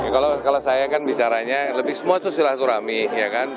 kalau saya kan bicaranya lebih semua itu silaturahmi ya kan